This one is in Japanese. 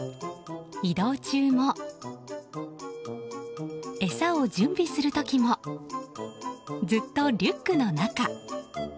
移動中も、餌を準備する時もずっとリュックの中。